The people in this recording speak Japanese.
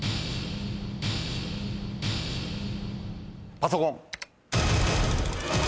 パソコン。